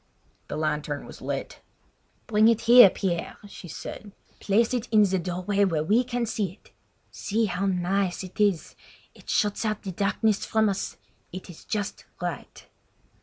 The lantern was lit. "Bring it here, Pierre," she said. "Place it in the doorway where we can see it. See how nice it is! It shuts out the darkness from us; it is just right!"